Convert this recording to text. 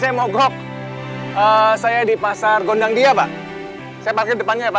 saya mogok saya di pasar gondang dia pak saya parkir depannya ya pak